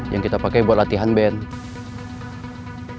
yang kita pakai buat latihan ben yang kita pakai buat latihan ben